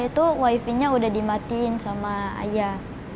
itu wifi nya udah dimatiin sama ayah